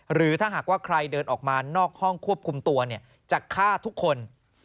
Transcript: หรือถ้าหากว่าใครเดินออกมานอกห้องควบคุมตัวจะฆ่าทุกคน